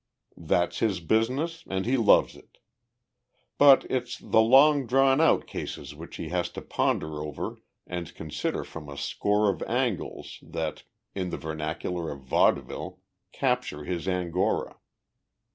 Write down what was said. That's his business and he loves it. But it's the long drawn out cases which he has to ponder over and consider from a score of angles that, in the vernacular of vaudeville, capture his Angora.